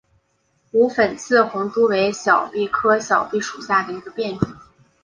无粉刺红珠为小檗科小檗属下的一个变种。